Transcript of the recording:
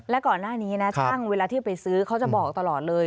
และก่อนหน้านี้นะช่างเวลาที่ไปซื้อเขาจะบอกตลอดเลย